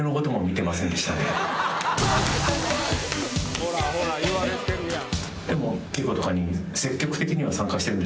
ほらほら言われてるやん。